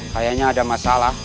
kayaknya ada masalah